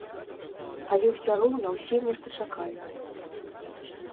Але уся роўна ўсе нешта чакаюць.